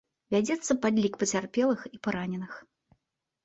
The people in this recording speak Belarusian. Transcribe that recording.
Вядзецца падлік пацярпелых і параненых.